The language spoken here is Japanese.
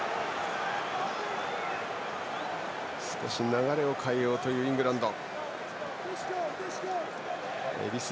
少し流れを変えようというイングランド。